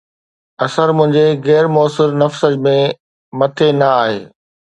اثر منهنجي غير موثر نفس ۾ مٽي نه آهي